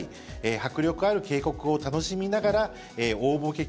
迫力ある渓谷を楽しみながら大歩危峡